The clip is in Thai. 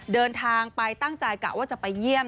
เดินทางไปตั้งใจกะว่าจะไปเยี่ยม